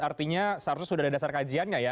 artinya seharusnya sudah ada dasar kajiannya ya